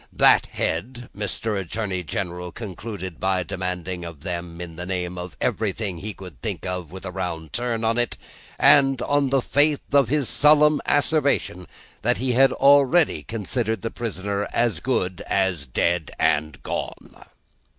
That head Mr. Attorney General concluded by demanding of them, in the name of everything he could think of with a round turn in it, and on the faith of his solemn asseveration that he already considered the prisoner as good as dead and gone.